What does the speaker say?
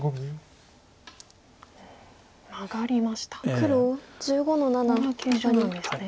ここが急所なんですね。